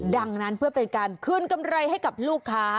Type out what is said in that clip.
ดังนั้นเพื่อเป็นการคืนกำไรให้กับลูกค้า